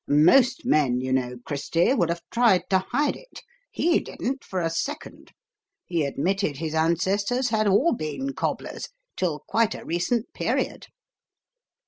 Most men, you know, Christy, would have tried to hide it; HE didn't for a second. He admitted his ancestors had all been cobblers till quite a recent period."